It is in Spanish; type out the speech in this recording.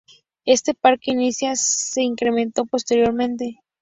Este parque inicial se incrementó posteriormente.